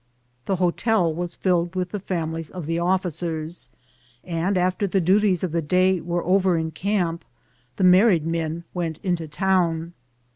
The hotel was filled with the families of the officers, and after the duties of the day were over in camp, the married men went into town.